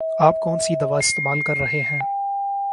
آپ کون سی دوا استعمال کر رہے ہیں؟